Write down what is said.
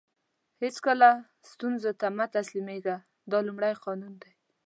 هیڅکله ستونزو ته مه تسلیم کېږئ دا لومړی قانون دی.